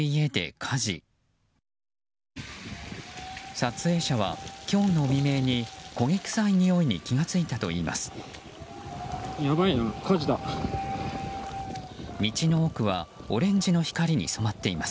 撮影者は今日の未明に焦げ臭いにおいに気が付いたといいます。